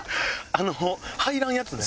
あの入らんやつね。